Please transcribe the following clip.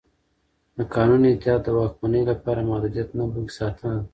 د قانون اطاعت د واکمنۍ لپاره محدودیت نه بلکې ساتنه ده